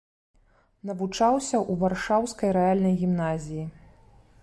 Навучаўся ў варшаўскай рэальнай гімназіі.